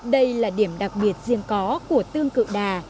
đây là điểm đặc biệt riêng có của tương tự đà